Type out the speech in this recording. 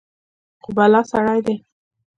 خو بلا سړى دى.